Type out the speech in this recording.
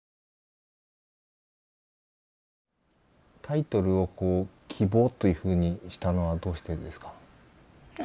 タイトルを「希望」というふうにしたのはどうしてですか？